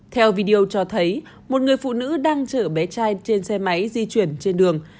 theo video cho thấy một người phụ nữ đang chở bé trai trên xe máy di chuyển trên đường